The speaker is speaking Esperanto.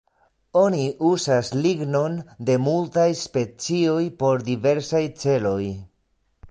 Oni uzas lignon de multaj specioj por diversaj celoj.